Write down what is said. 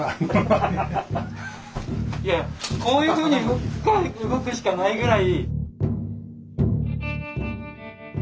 いやいやこういうふうに動くしかないぐらい。